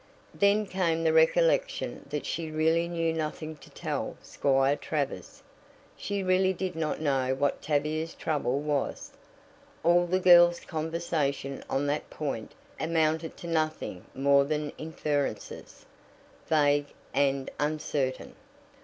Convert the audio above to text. Then came the recollection that she really knew nothing to tell Squire Travers she really did not know what Tavia's trouble was. All the girl's conversation on that point amounted to nothing more than inferences, vague and uncertain.